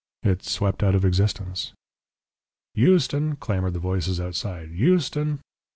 It swept out of existence " "Euston!" clamoured the voices outside; "Euston!"